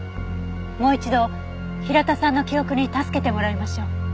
もう一度平田さんの記憶に助けてもらいましょう。